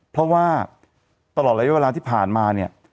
เพราะว่าตลอดระยะเวลาที่ผ่านมาเนี่ย